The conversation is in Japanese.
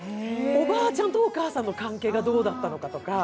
おばあちゃんとお母さんの関係がどうだったのかとか。